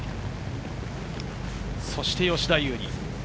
そして吉田優利。